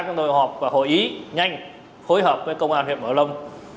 chúng tôi họp và hội ý nhanh phối hợp với công an huyện bảo lâm